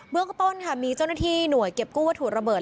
เรื่องต้นค่ะมีเจ้าหน้าที่หน่วยเก็บกู้วัตถุระเบิด